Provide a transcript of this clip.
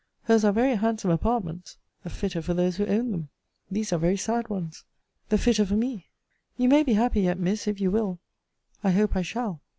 Her's are very handsome apartments. The fitter for those who own them! These are very sad ones. The fitter for me! You may be happy yet, Miss, if you will. I hope I shall.